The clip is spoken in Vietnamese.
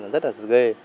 rất là ghê